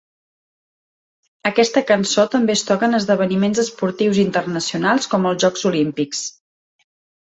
Aquesta cançó també es toca en esdeveniments esportius internacionals com els Jocs Olímpics.